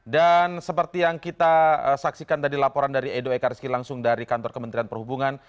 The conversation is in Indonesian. dan seperti yang kita saksikan tadi laporan dari edo ekareski langsung dari kantor kementerian perhubungan